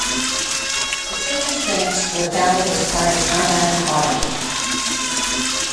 The savings banks were founded as part of combating poverty.